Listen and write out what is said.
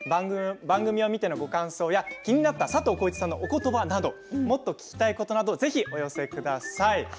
番組を見てのご感想や気になった佐藤浩市さんのことばなどもっと聞きたいことなどお寄せください。